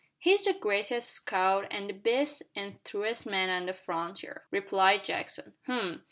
"He's the greatest scout an' the best an' truest man on the frontier," replied Jackson. "H'm!